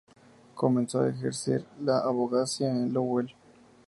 Comenzó a ejercer la abogacía en Lowell.